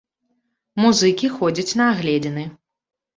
Музыкі ходзяць на агледзіны.